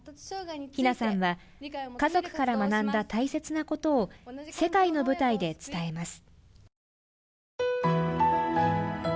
陽菜さんは家族から学んだ大切なことを世界の舞台で伝えます。